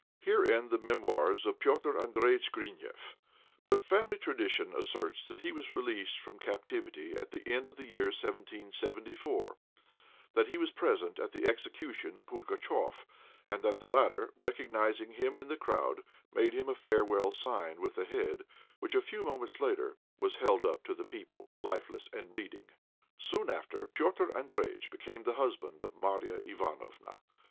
Here end the memoirs of Petr' Andréjïtch Grineff; but family tradition asserts that he was released from captivity at the end of the year 1774, that he was present at the execution of Pugatchéf, and that the latter, recognizing him in the crowd, made him a farewell sign with the head which, a few moments later, was held up to the people, lifeless and bleeding. Soon afterwards Petr' Andréjïtch became the husband of Marya Ivánofna.